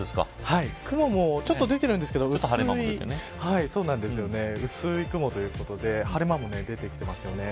雲もちょっと出てるんですけど薄い雲ということで晴れ間も出てきていますよね。